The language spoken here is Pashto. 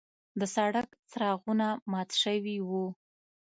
د سړک څراغونه مات شوي وو.